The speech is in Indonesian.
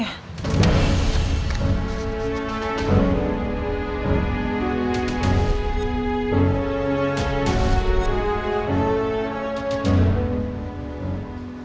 ya mama dipanggil besok pak